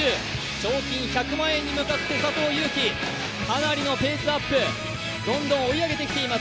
賞金１００万円に向かって佐藤悠基、かなりのペースアップ、どんどん追い上げてきています。